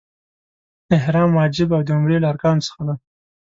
احرام واجب او د عمرې له ارکانو څخه دی.